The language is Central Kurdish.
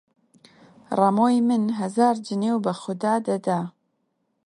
ڕەمۆی من هەزار جنێو بە خودا دەدا!